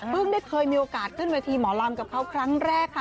ได้เคยมีโอกาสขึ้นเวทีหมอลำกับเขาครั้งแรกค่ะ